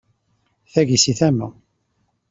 Tagi si tama.